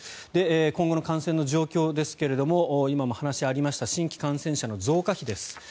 今後の感染の状況ですが今もお話がありました新規感染者の増加比です。